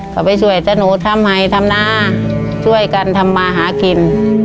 กลับไปช่วยเจ้าหนูทำใหม่ทำหน้าช่วยกันทำมาหากิน